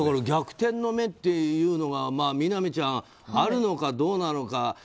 逆転の目っていうのがみなみちゃんあるのかどうなのか。